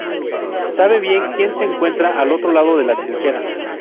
sabe bien quién se encuentra al otro lado de la trinchera